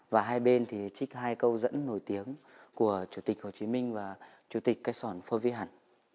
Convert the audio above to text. và hai bên thì trích hai câu dẫn nổi tiếng của chủ tịch hồ chí minh và chủ tịch cái sỏn phô vi hẳn